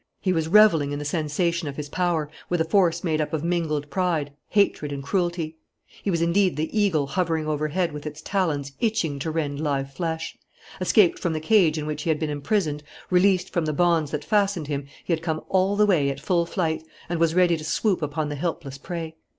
He was revelling in the sensation of his power, with a force made up of mingled pride, hatred, and cruelty. He was indeed the eagle hovering overhead with its talons itching to rend live flesh. Escaped from the cage in which he had been imprisoned, released from the bonds that fastened him, he had come all the way at full flight and was ready to swoop upon the helpless prey.